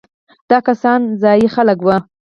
دا کسان ځايي خلک وو.